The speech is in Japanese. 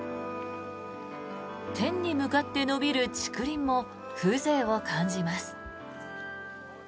天に向かって伸びる竹林も風情を感じます。